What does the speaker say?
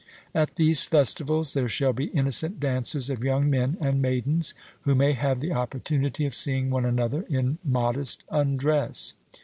At these festivals there shall be innocent dances of young men and maidens, who may have the opportunity of seeing one another in modest undress.